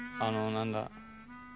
あの何だ